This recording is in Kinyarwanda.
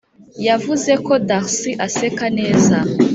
yavuze ko darcy aseka neza